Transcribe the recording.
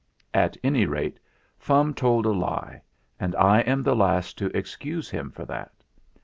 At any rate, Fum told a lie, and I am the last to excuse him for that.